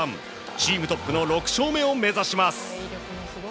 チームトップの６勝目を目指します。